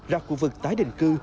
ra khu vực tái định cư